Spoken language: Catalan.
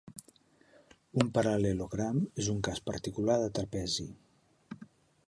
Un paral·lelogram és un cas particular de trapezi.